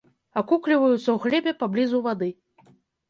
Акукліваюцца ў глебе паблізу вады.